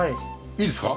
いいですか？